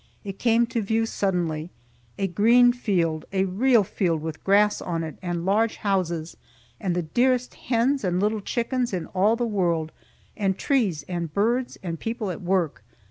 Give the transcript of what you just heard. It came to view suddenly, a green field, a real field with grass on it, and large houses, and the dearest hens and little chickens in all the world, and trees, and birds, and people at work.